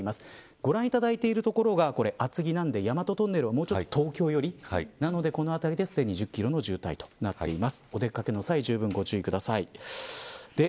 ご覧いただいている所が厚木なので大和トンネルはもうちょっと東京寄りですがこの辺りで、すでに１０キロの渋滞となっています。